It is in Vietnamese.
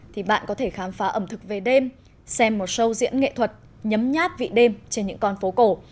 thì bạn có thể khám phá ẩm thực về đêm xem một show diễn nghệ thuật nhấm nhát vị đêm trên những con phố cổ